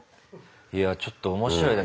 いやちょっと面白いな。